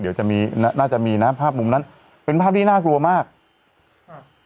เดี๋ยวจะมีน่าจะมีนะภาพมุมนั้นเป็นภาพที่น่ากลัวมากค่ะ